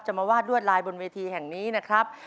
มาวาดรวดลายบนเวทีแห่งนี้นะครับ